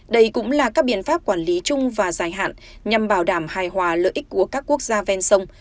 đây cũng là các biện pháp quản lý chung và dài hạn nhằm bảo đảm hài hòa lợi ích của các quốc gia ven sông